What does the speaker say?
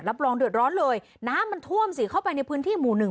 รองเดือดร้อนเลยน้ำมันท่วมสิเข้าไปในพื้นที่หมู่หนึ่ง